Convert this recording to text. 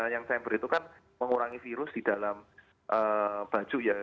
yang chamber itu kan mengurangi virus di dalam baju ya